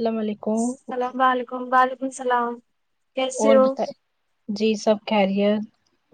السلام علیکم سلا و علیکم وعلیکم السلام کیسے اور ہو بت جی سب خیریت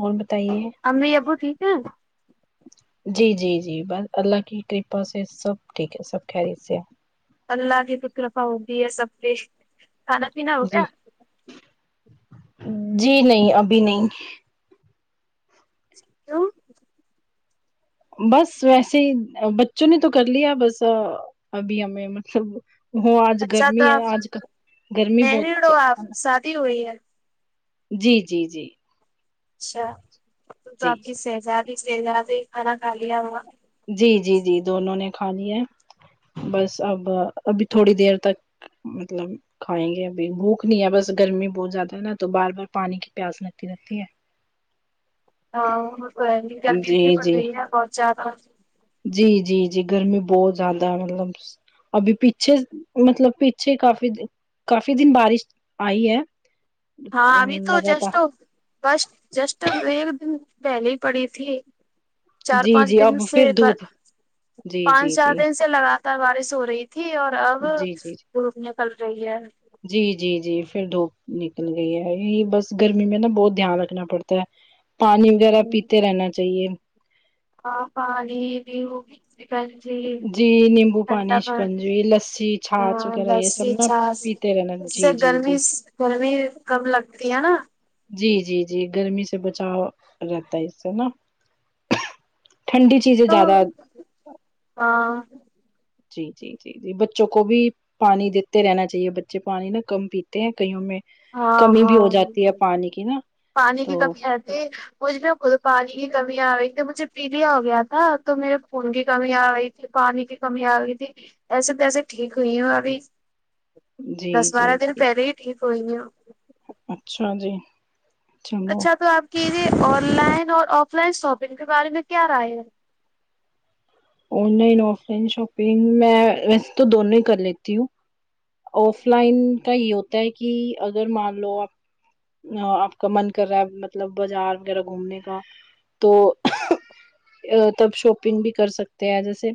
اور بتائیے امی ابو ٹھیک ہے جی جی جی بس اللہ کی کرپا سے سب ٹھیک ہے سب خیریت سے ہیں اللہ کی کرپا ہوتی ہے سب پہ ہے نہ جی جی نہیں ابھی نہیں کیوں بس ویسے ہی بچوں نے تو کر لیا بس ابھی ہمیں مطلب وہ آج اچھا تو گرمی ہے آپ آج کا گرمی بہت میرڈ چ ہو آپ شادی ہوئی ہے جی جی جی اچھا تو تو جی آپ کی شہزادی شہزادی کھانا کھا لیا ہوگا جی جی جی دونوں نے کھا لیا بس اب ابھی تھوڑی دیر تک مطلب کھائیں گے ابھی بھوک نہیں ہے بس گرمی بہت زیادہ ہے نا تو بار بار پانی کی پیاس لگتی رہتی ہے ہاں ہے گرمی اتنی جی بڑ جی رہی ہے بہت زیادہ جی جی جی گرمی بہت زیادہ ہے مطلب ابھی پیچھے مطلب پیچھے کافی کافی دن بارش آئی ہے ہاں ابھی تو جسٹ لگاتار بسٹ جسٹ ایک دن پہلی ہی پڑی تھی چار جی پانچ جی دن اب سے پھر بھر دھوپ جی پانچ جی چار جی دن سے لگاتار بارش ہو رہی تھی اور اب جی جی دھوپ نکلا رہی ہے جی جی جی پھر دھوپ نکل گئی ہے یہی بس گرمی میں نا بہت دھیان رکھنا پڑتا ہے پانی وغیرہ پیتے رہنا چاہیے ہاں پانی بھی ہوگی اس سے پہلے جی جی نیمبو ٹھنڈا پانی شکنجی لسی آ چھاچھ وغیرہ یہ سب لسسی نا چانچ پیتے رہنا اس سے جی جی گرمی جی گرمی کم لگتی ہے نا جی جی جی گرمی سے بچاؤ رہتا ہے اس سے نا ٹھنڈی چیزیں تو زیادہ ہ جی جی جی بچوں کو بھی پانی دیتے رہنا چاہیے بچے پانی نا کم پیتے ہیں کئیوں میں ہاں کمی بھی ہاں ہو جاتی ہے پانی کی نا تو ای مجھ بھی خود پانی کی کمی آ گئی تھی مجھے پیلیا ہو گیا تھا تو میرے خون کی کمی آ گئی پانی کی کمی آ گئی تھی ایسے ویسے ٹھیک ہوئی ہوں ابھی جی دس جی بارہ دن جی پہلے ہی ٹھیک ہوئی ہیں اچھا جی چلو اچھا تو آپ کی یہ آن لائن اور آف لائن شاپنگ کے بارے میں کیا رائے ہے online offline shopping میں ویسے تو دونوں ہی کر لیتی ہوں آف لائن کا یہ ہوتا ہے کہ اگر مان لو آپ آپ کا من کر رہا ہے مطلب بازار وغیرہ گھومنے کا تو تب شاپنگ بھی کر سکتے تے ہیں جیسے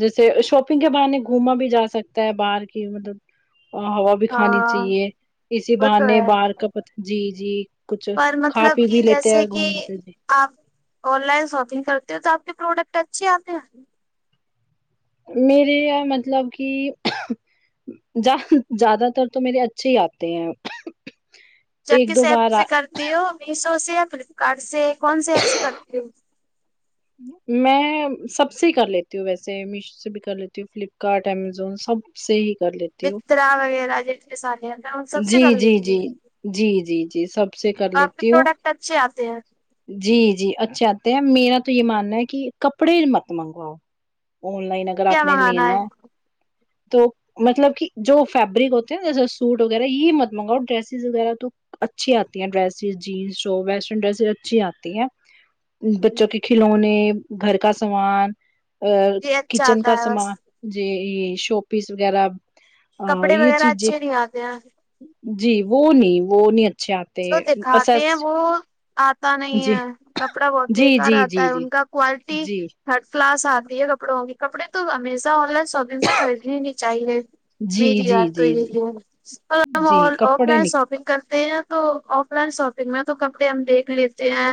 جیسے شاپنگ کے بے گھوما بھی جا سکتا ہے باہر کی مطلب اور ہوا بھی کھانی ہاں چاہیے اسی وہ تو بہانے ہے بار کا جی جی کچھ پر کھا مطلب پی کہ بھی لیتے جیسے ہیں کہ گھوم پھر بھی آپ آن لائن شاپنگ کرتے ہو تو آپ کے پروڈکٹ اچھے آتے ہیں میرے یہ مطلب کہ ج زیادہ تر تو میرے اچھے ہی آتے ہیں جب ایک کس دو ایپ بار سے کرتی ہو میشو سے یا فلپکارٹ سے کون سے ایپ سے کرتی ہو میں سب سے کر لیتی ہوں ویسے می سے بھی کر لیتی ہوں فلپکارٹ امیزون سب سے ہی کر لیتی ہوں ترا وغیرہ جتنے سارے ہیں میں ان سب سے جی کر جی لیتی ہوں جی جی جی جی سب سے کر آپ کے لیتی ہوں پروڈکٹ اچھے آتے ہیں جی جی اچھے آتے ہیں میرا تو یہ ماننا ہے کہ کپڑے مت منگواؤ آن لائن اگر کیا آپ نے منگانا لینا تو مطلب کہ جو فیبرک ہوتے ہیں جیسے سوٹ وغیرہ یہ مت منگاؤ ڈریسیز وغیرہ تو اچھی آتی ہیں ڈریسز جینس جوو ویسٹرن ڈریسز اچھی آتی ہے بچوں کے ہے کھلونے گھر کا سامان ا جی اچھا کچن آتا کا ہے بس سمان جی شو پیس وغیرہ کپڑے یہ وغیرہ چیزیں اچھے نہیں آتے ہیں جی وہ نہیں وہ نہیں اچھے آ جو دکھاتے ہیں وہ آتا نہیں جی ہے کپڑا بہت جی بیکار جی آتا جی ہے جی ان کا کوالٹی جی تھرڈ کلاس آتی ہے کپڑوں کے کپڑے تو ہمیشہ آن لائن شاپ ان سے خریدنی نہیں چاہیے جی میری جی بات تو جی جی یہی ہے [unintelligible] اگر ہم جی آن کپڑے لائن نک شاپنگ کرتے ہیں تو آف لائن شاپنگ میں تو کپڑے ہم دیکھ لیتے ہیں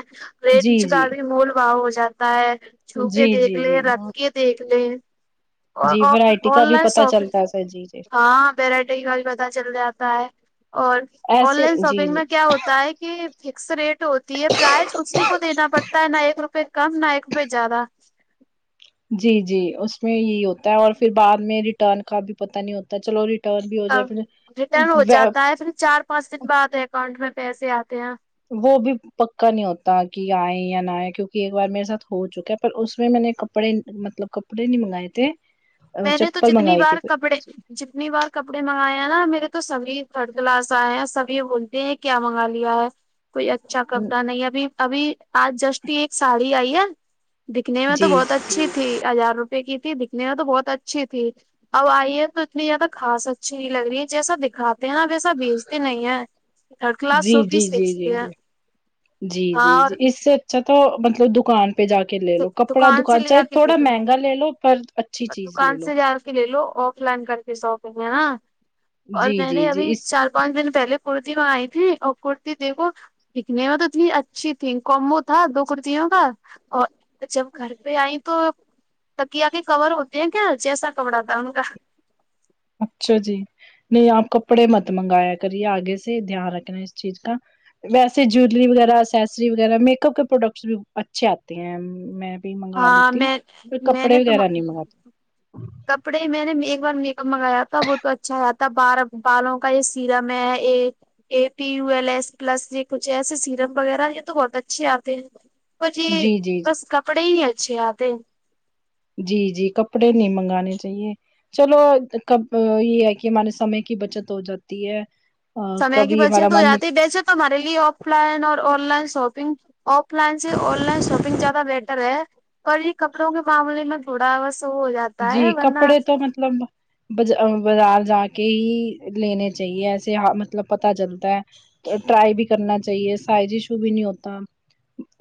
جی ریٹ جی کا بھی مول بھاؤ ہو جاتا ہے چھو کے جی دیکھ جی لے جی رکھ کے دیکھ لے جی ورائٹی آن کا بھی لائن پتا شاپگ چلتا ہے سر جی جی ہاں پیراٹی کل بھی پتہ چل جاتا ہے اور آن ایسے لائن جی شاپنگ جی میں کیا ہوتا ہے کہ فکس ریٹ ہوتی ہے پرائز اسی کو دینا پڑتا ہے نا ایک روپے کم نا ایک پہ زیادہ جی جی اس میں یہی ہوتا ہے اور پھر بعد میں ریٹرن کا بھی پتہ نہیں ہوتا چلو ریٹرن بھی ہو جائے اب ریٹرن ہو پھر جاتا ہے پھر چار پانچ دن بعد اکاؤنٹ میں پیسے آتے ہیں وہ بھی پکا نہیں ہوتا کہ آئے یا نہ آئے کیونکہ ایک بار میرے ساتھ ہو چکا ہے پر اس میں نے کپڑے مطلب کپڑے نہیں منگائے تھے اور میں نے تو چپل جتنی منگائے تھی بار کو کپڑے جتنی بار کپڑے منگائے ہیں نا میرے تو سبھی تھرڈ کلاس آئے ہیں سبھی بولتے یہ کیا منگا لیا ہے کوئی اچھا کپڑا نہیں ابھی ابھی آج جسٹ ایک ساڑی آئی ہے دکھنے میں تو جی جی بہت اچھی تھی ہزار روپئے کی تھی دکھنے میں تو بہت اچھی تھی اب آئیے ہے تو اتنی زیادہ خاص اچھی نہیں لگ رہی ہے جیسا دکھاتے ہیں ویسے ایسا بھیچتے نہیں ہیں تھرڈ کلاس جی سو جی پیس جی بیچتے جی ہیں جی جی ہاں جی اور جی اس سے اچھا تو مطلب دکان پہ جا کے لے لو کپڑا سے دکان لے چاہے جا کے لے تھوڑا لو مہنگا لے لو پراچھ دکان سے جا کے لے لو آف لائن کر کے ساپنگ ہے نا اور جی میں نے جی جی ابھی اس چار پانچ دن پہلے کرتی منگائی تھی اور کرتی دیکھو دیکھنے میں تو اتنی اچھی تھی کومبو تھا دو کرتیوں کا اور جب گھر پہ آئی تو تکیہ کے کور ہوتی ہیں کیا جیسا کپڑا آتا ہے ان کا اچھا جی نہیں آپ کپڑے مت منگایا کریے آگے سے دھیان رکھنا ہے اس چیز کا ویسے جویلری وغیرہ اسسری وغیرہ میک اپ کے پروڈکٹس بھی اچھے آتے ہیں میں منگا ہاں لیتی ہو میں پھر میں کپڑے نے تو وغیر نہیں منگاتے کپڑے میں نے ایک بار میک اپ منگایا تھا وہ تو اچھا آیا تھا بار بالوں کا یہ سیرم ہے یہ A P U L S plus یہ کچھ ایسے سیرم وغیرہ یہ تو بہت اچھے آتے ہیں وہ جی بس کپڑے ہی اچھے آتے جی جی کپڑے نہیں منگانے چاہیے چلو کب یہ ہے کہ ہمارے سمے کی بچت ہو جاتی ہے ہاں سمے کی کبھی ہمارا بچت ہو من یہ جاتی ہے ویسے ہمارے لیے آف لائن اور online shopping offline سے آن لائن شاپنگ جادہ بہتر ہے اور یہ کپڑوں کے معاملے میں تھوڑا ہوس ہو جاتا جی ہے ورنہ کپڑے تو مطلب بج بازار جا کے ہی لنے چاہیے ایسے مطلب پتا چلتا ہے ٹرائی بھی کرنا چاہیے سائز ایشو بھی نہیں ہوتا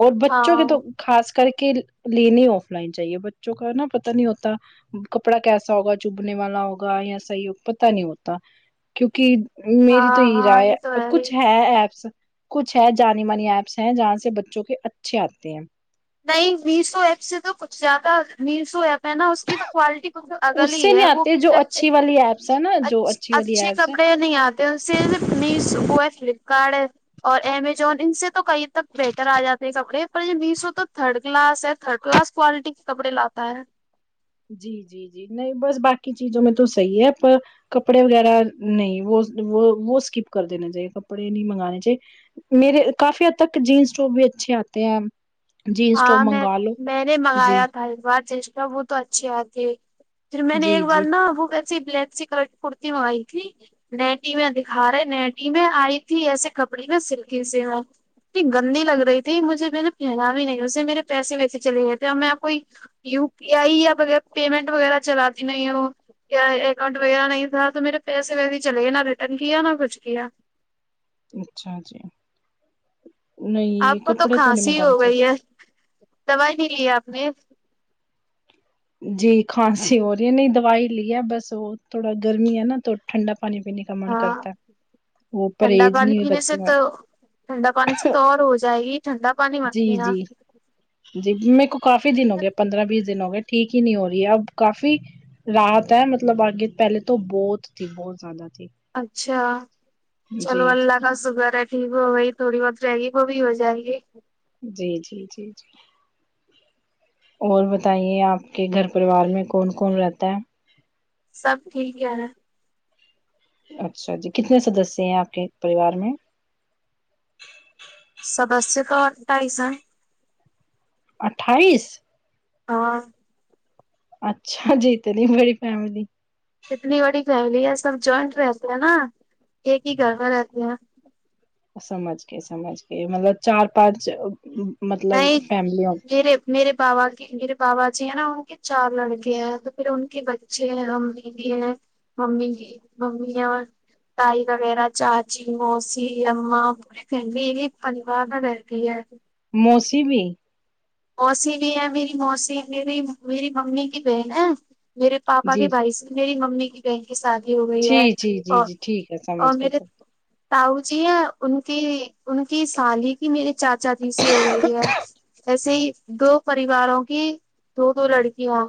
اور بچوں کے ہاں تو خاص کر کے لینی آف لائن چاہیے بچوں کا نا پتہ نہیں ہوتا کپڑا کیسا ہوگا چوبنے والا ہوگا یا صحیح ہو پتہ نہیں ہوتا کیونکہ میری تو ہاں یہ ہاں رائے تو ہے ہی کچھ ہے ایپس کچھ ہے جانی مانی ایپس ہیں جہاں سے بچوں کے اچھے آتے ہیں نہیں میشو ایپ سے تو کچھ زیادہ میشو ایپ ہے نا اس کی تو کوالٹی بلکل اگلی اس سے ہی ہے نہیں وہ آتے جو اچھ اچھی والی ایپس ہے نا جو اچھی والی اچھے ایپس ہے کپڑے نہیں آتے اسے نہ میسو اییپ بیکار ہے اور امیزون ان سے تو کئی تک بہتر آ جاتے ہیں کپڑے پر یہ میشو تو تھرڈ کلاس ہے تھرڈ کلاس کوالٹی کے کپڑے لاتا ہے جی جی جی نہیں بس باقی چیزوں میں تو صحیح ہے پر کپڑے وغیرہ نہیں وہ وہ وہ اسکپ کر دینے چاہیے کپڑے نہیں منگانے چاہیے میرے کافی حد تک جینس ٹاپ بھی اچھے آتے ہیں جینس ہاں ٹاپ میںم منگا لو میں نے جی منگایا تھا ایک بار جینس کا وہ تو اچھی آتی پھر میں نے ایک جی بار جی نا وہ وسی بلیک سی کلر کی کرتی منگائی تھی نیٹی میں دکھا رہے نیٹٹی میں آئی تھی ایسے کپڑے میں سلکی سے وہ اتنی گندی لگ رہی تھی مجھے میں نے پہنا بھی نہیں اسے میرے پیسے ویسے چلے گئے تھے اور میں کوئی یو پی آئی یا پیمنٹ وغیرہ چلاتی نہیں ہو اکاؤنٹ وغیرہ نہیں تھا تو میرے پیسے ویسے چل گے نا ریٹرن کیا نہ کچھ کیا اچھا جی آپ نہیں کو تو کپڑے نہیں کھانسی ہی ہو منگانے گئی چاہیے ہے دوائی نہیں لی آپ نے جی کھانسی ہو رہی ہے نہیں دوائی لی ہے بس وہ تھوڑا گرمی ہے نا تو ٹھنڈا پانی پینے کی گھمنڈ ہاں کرتا ہے وہ ٹھنڈا پرہیز پانی نہیں پینے سے رکھتی میں تو ٹھنڈا پانی سے تو اور ہو جائے گی ٹھنڈا پانی مت جی پینا جی جی میرے کو کافی دن ہو گیا پندرہ بیس دن ہو گئے ٹھیک یہ نہیں ہو رہی ہے اب کافی رات ہے مطلب آگے پہلے تو بہت تھی بہت زیادہ تھی اچھا چلو جی اللہ کا شکر ہے جی وہ بھائی تھوڑی بہت رہے گی وہ بھی ہو جائے گی جی جی جی جی اور بتائیے آپ کے گھر پریوار میں کون کون رہتا ہے سب ٹھیک ہے اچھا جی کتنے سدسیہ ہیں آپ کے پریوار میں سدسے سے تو آتا ایسا اٹھائیس اور اچھا جی اتنی بڑی فیملی اتنی بڑی فیملی ہے سب جوائنٹ رہتے ہیں نا ایک ہی گھر میں رہتے ہیں سمجھ کے سمجھ کے مطلب چار پانچ مطلب نہیں فیملی میرے میرے باوا کی میرے باوا جی ہیں نا ان کے چار لڑکے ہیں تو پھر ان کے بچ چھ ہے ہم دیدی ہے ممی جی ممی ہے اور تائی وغیرہ چاچی موسی امماں میرے ایک پریوار میں رہتی ہے موسی بھی موسی بھی ہے میری موسی میری میری ممی کی بہن ہے میرے پاپا کے جی بھائی سے میری ممی کی بہن کی شادی ہو گئی ہے جی جی جی اور جی ٹھیک ہے اور سمجھ کے میرے سب تاو جی ہیں ان کی ان کی سالی کی میرے چاچا جی سے ہو گئی ہے ویسے ہی دو پریواروں کی دو دو لڑکیاں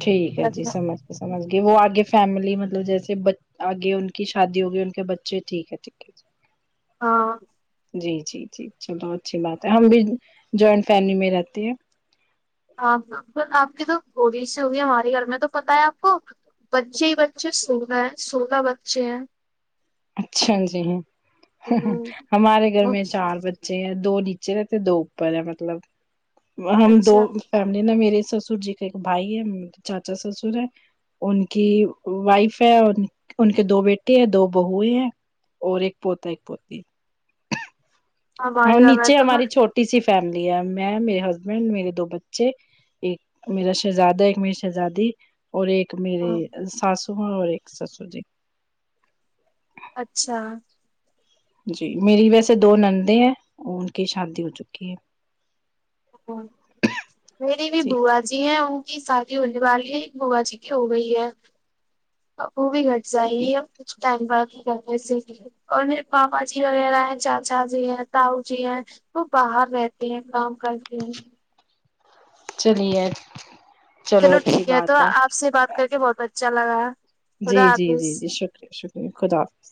ٹھیک ہے جی ہیں۔ سمجھ گے سمجھ گئے وہ آگے فیملی مطلب جیسے بچ آگے ان کی شادی ہو گئی ان کے بچے ٹھیک ہے ٹھیک ہے ہاں جی جی جی چلو اچھی بات ہے ہم بھی جوائنٹ فیملی میں رہتے ہیں ہاں آپ کی تو تھوڑی سی ہوگی ہمارے گھر میں تو پتہ ہے آپ کو پچے بچے سولہ ہے سولہ بچے ہیں اچھا جی ہوں ہمارے گھر میں چار بجے جی دو نیچے رہتے دو اوپر ہے مطلب ہم دو اچھا فیملی نے میرے سسر جی کا ایک بھائی ہے چاچا سسر ہے ان کی وائف ہے ان کے دو بیٹے ہیں دو بہو ہے اور ایک پوتا ایک پوتی ہاں ہمارے گھر میں نیچے ہماری تو چھوٹی سی فیملی ہے میں میرے ہسبینڈ میرے دو بچے ایک میرا شہزادہ ایک میری شہزادی ہے اور ایک میرے ساسو ماں ہیں اور ایک سسر جی اچھا جی میری ویسے دو نندے ہیں ان کی شادی ہو چکی ہے میری بھی بوا جی ہاں ان کی شادی ہونے والی ہے ایک بوا جی کی ہو گئی ہے وہ بھی گٹ جای ہے کچھ ٹائم پاس بھی کرنے سے ہی اور میرے پاپا جی وغیرہ ہے چاچا جی ہیں تاؤ جی ہیں وہ باہر رہتے ہیں کام کرتے ہیں چلیئے چلو ٹھیک ہے تو آپ سے بات کر کے بہت اچھا لگا جی خدا جی جی حافظ جی شکریہ شکریہ خدا حافظ